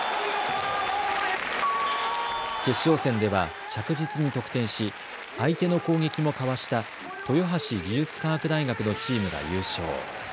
決勝戦では着実に得点し相手の攻撃もかわした豊橋技術科学大学のチームが優勝。